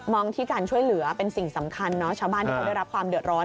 ที่การช่วยเหลือเป็นสิ่งสำคัญเนอะชาวบ้านที่เขาได้รับความเดือดร้อน